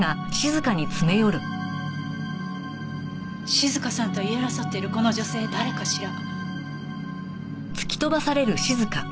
静香さんと言い争っているこの女性誰かしら？